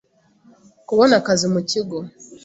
kubona akazi mu Kigo